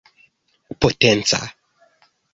potenca